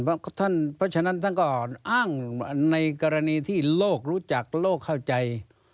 เพราะฉะนั้นท่านก็อ้างในกรณีที่โลกรู้จักโลกเข้าใจ